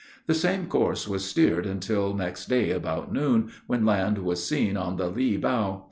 The same course was steered until next day about noon, when land was seen on the lee bow.